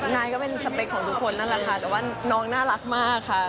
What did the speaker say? นายก็เป็นสเปคของทุกคนนั่นแหละค่ะแต่ว่าน้องน่ารักมากค่ะ